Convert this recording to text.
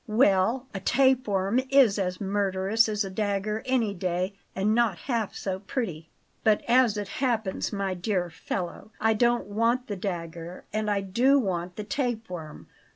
"Well, a tape worm is as murderous as a dagger, any day, and not half so pretty." "But as it happens, my dear fellow, I don't want the dagger and I do want the tape worm.